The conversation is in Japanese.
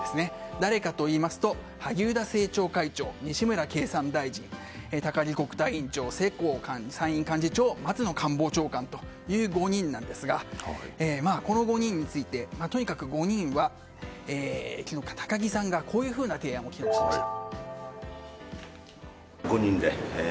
誰かといいますと萩生田政調会長西村経産大臣高木国対委員長、世耕参院幹事長松野官房長官という５人ですがこの５人について高木さんがこういう提案をしました。